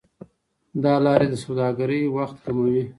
دا لارې د سوداګرۍ وخت کموي.